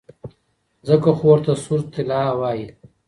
ځکه خو ورته سور طلا وايي.